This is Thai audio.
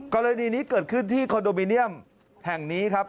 กรณีนี้เกิดขึ้นที่คอนโดมิเนียมแห่งนี้ครับ